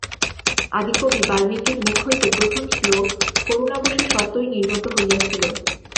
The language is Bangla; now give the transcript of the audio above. আদিকবি বাল্মীকির মুখ হইতে প্রথম শ্লোক করুণাবশে স্বতই নির্গত হইয়াছিল।